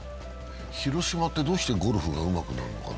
広島ってどうしてゴルフがうまくなるのかな。